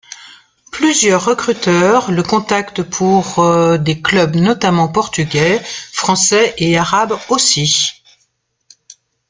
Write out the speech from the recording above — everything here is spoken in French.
Plusieurs recruteurs le contact pour des clubs notamment portugais, français et arabes aussi.